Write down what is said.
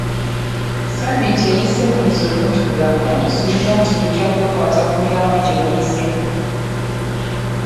Sabbiiti eyise muyize obuntubulamu era tusuubira nti mujja kwekwata ku miramwa gye muyize.